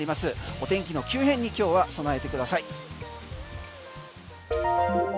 お天気の急変に今日は備えてください。